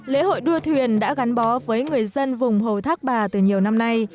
lễ hội đua thuyền đã gắn bó với người dân vùng hồ thác bà từ nhiều năm nay